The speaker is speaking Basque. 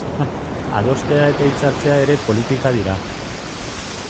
Adostea eta hitzartzea ere politika dira.